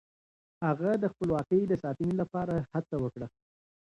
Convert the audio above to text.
هغه د خپلواکۍ د ساتنې لپاره هڅه وکړه.